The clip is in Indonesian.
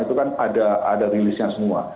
itu kan ada rilisnya semua